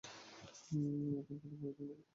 এখন কেন পরিবর্তন করবে?